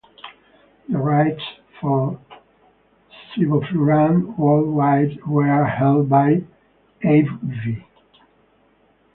The rights for sevoflurane worldwide were held by AbbVie.